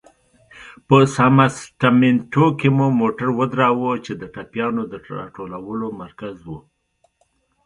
په سمسټمینټو کې مو موټر ودراوه، چې د ټپيانو د را ټولولو مرکز و.